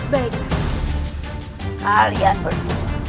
baiklah kalian berdua